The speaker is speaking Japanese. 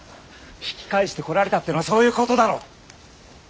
引き返してこられたっていうのはそういうことだろ。